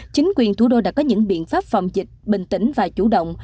chính quyền thủ đô đã có những biện pháp phòng dịch bình tĩnh và chủ động